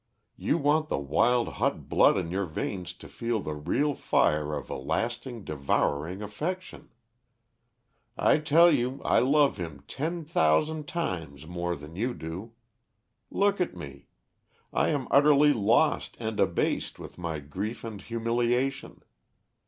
You want the wild hot blood in your veins to feel the real fire of a lasting, devouring affection. "I tell you I love him ten thousand times more than you do. Look at me, I am utterly lost and abased with my grief and humiliation.